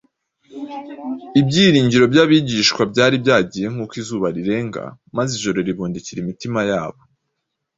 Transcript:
Ibyiringiro by’abigishwa byari byagiye nk’uko izuba rirenga maze ijoro ribundikira imitima yabo.